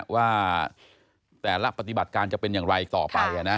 ว่าแต่ละปฏิบัติการจะเป็นอย่างไรต่อไป